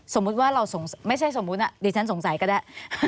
สมมุติว่าเราไม่ใช่สมมุติดิฉันสงสัยก็ได้